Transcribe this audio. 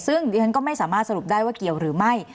ซึ่งดิฉันก็ไม่สามารถสรุปได้ว่าเกี่ยวหรือไม่